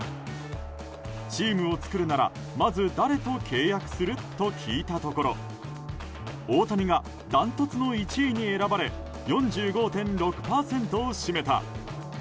チームを作るなら、まず誰と契約する？と聞いたところ大谷が断トツの１位に選ばれ４５．６％を占めた。